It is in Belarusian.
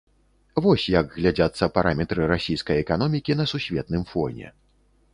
Вось як глядзяцца параметры расійскай эканомікі на сусветным фоне.